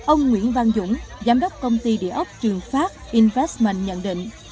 ông nguyễn văn dũng giám đốc công ty địa ốc trường pháp investman nhận định